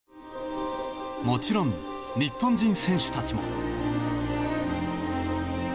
もちろん、日本人選手たちも。